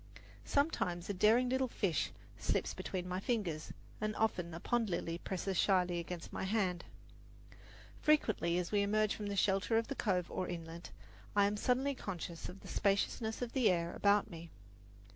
Sometimes a daring little fish slips between my fingers, and often a pond lily presses shyly against my hand. Frequently, as we emerge from the shelter of a cove or inlet, I am suddenly conscious of the spaciousness of the air about me.